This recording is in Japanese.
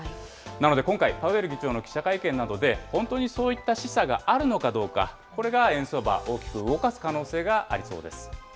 なので今回、パウエル議長の記者会見などで、本当にそういった示唆があるのかどうか、これが円相場、大きく動かす可能性がありそうです。